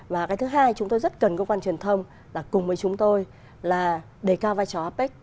và cái thứ hai chúng tôi rất cần cơ quan truyền thông là cùng với chúng tôi là đề cao vai trò apec